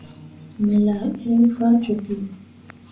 Me laa eremme faa cokki.